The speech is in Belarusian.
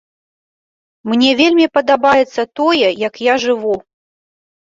Мне вельмі падабаецца тое, як я жыву.